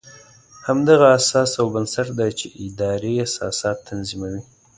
همدغه اساس او بنسټ دی چې ادارې اساسات تنظیموي.